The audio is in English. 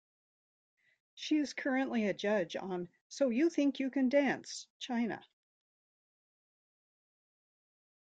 She is currently a judge on So You Think You Can Dance China.